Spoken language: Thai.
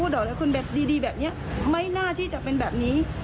เดียวแบบเนี้ยไม่น่าที่จะเป็นแบบนี้